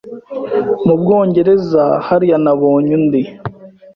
mubwongereza hariya nabonye Undi